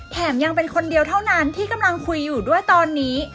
แถมยังเป็นคนเดียวเท่านั้นที่กำลังคุยอยู่ด้วยตอนนี้